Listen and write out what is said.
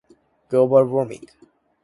global warming